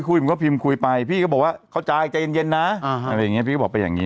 คุยมันก็พิมพ์คุยไปพี่ก็บอกว่าเขาจ่ายใจเย็นนะพี่ก็บอกไปอย่างนี้